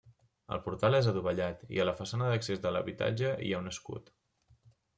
El portal és adovellat, i a la façana d'accés a l'habitatge hi ha un escut.